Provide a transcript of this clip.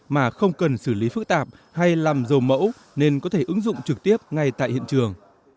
mà không cần xử lý phức tạp hay làm dầu mẫu nên có thể ứng dụng trực tiếp ngay tại hiện trường